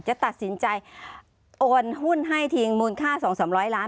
จะตัดสินใจโอนหุ้นให้ทิ้งมูลค่า๒๓๐๐ล้าน